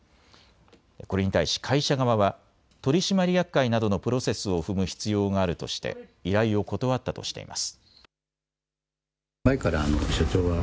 これに対し会社側は取締役会などのプロセスを踏む必要があるとして依頼を断ったとしています。